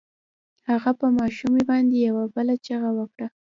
هغه په ماشومې باندې يوه بله چيغه وکړه.